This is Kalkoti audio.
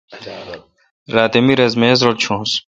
راتہ می تی میز رل چونس۔